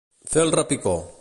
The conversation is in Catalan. Fer el repicó.